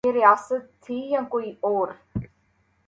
یہ ریاست تھی یا کوئی اور؟